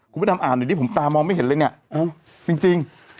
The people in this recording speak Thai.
กูไปทำอ่านหน่อยดิผมตามองไม่เห็นเลยเนี่ยจริง